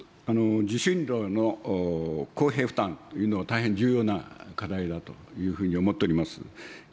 受信料の公平負担というのは大変重要な課題だというふうに思っております。